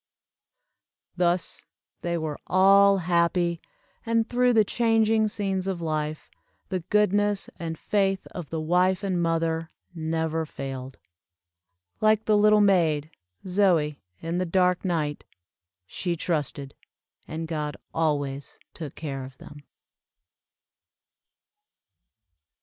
Thus they were all happy, and, through the changing scenes of life, the goodness and faith of the wife and mother, never failed. Like the little maid, Zoie, in the dark night, she trusted, and God always took care of them.